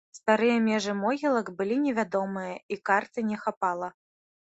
Старыя межы могілак былі невядомыя і карты не хапала.